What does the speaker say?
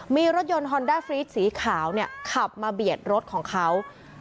มีรถยนต์ฮอนด้าฟรีดสีขาวเนี่ยขับมาเบียดรถของเขา